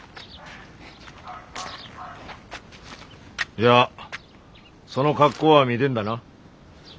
じゃあその格好は見てんだな？